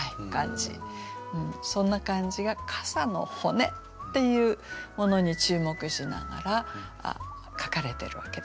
そんな感じが傘の骨っていうものに注目しながら書かれてるわけですね。